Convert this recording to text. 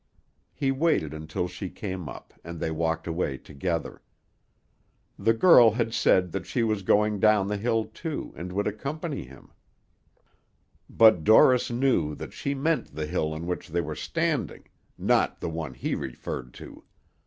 He waited until she came up, and they walked away together. The girl had said that she was going down the hill, too, and would accompany him; but Dorris knew that she meant the hill on which they were standing, not the one he referred to.